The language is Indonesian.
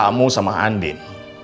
kamu sama andin